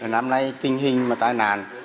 năm nay tình hình tai nạn